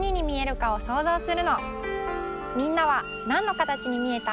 みんなはなんのかたちにみえた？